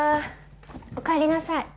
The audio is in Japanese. おかえりなさい